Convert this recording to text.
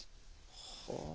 はあ。